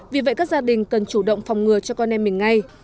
vì vậy các gia đình cần chủ động phòng ngừa cho con em mình ngay